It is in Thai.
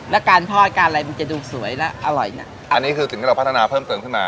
แล้วการทอดการอะไรมันจะดูสวยและอร่อยน่ะอันนี้คือสิ่งที่เราพัฒนาเพิ่มเติมขึ้นมา